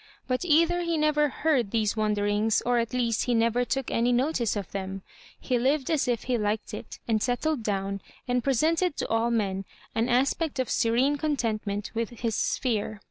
But either he never heard these wonderings, or at least he never took any notice of them. He lived as if he liked it, and settled down, and presented to all men an aspect of serene contentment with his sphere.